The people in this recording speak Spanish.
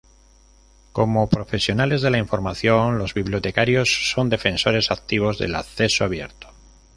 Como profesionales de la información, los bibliotecarios son defensores activos del acceso abierto.